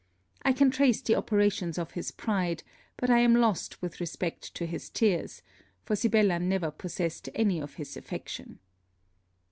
I can trace the operations of his pride, but I am lost with respect to his tears; for Sibella never possessed any of his affection.